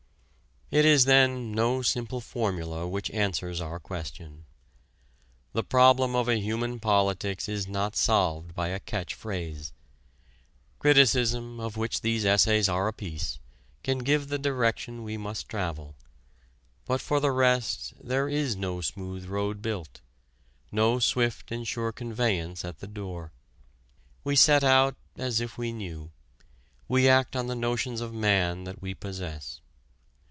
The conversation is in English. It is then no simple formula which answers our question. The problem of a human politics is not solved by a catch phrase. Criticism, of which these essays are a piece, can give the direction we must travel. But for the rest there is no smooth road built, no swift and sure conveyance at the door. We set out as if we knew; we act on the notions of man that we possess.